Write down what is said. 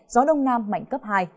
gió đông nam mạnh cấp hai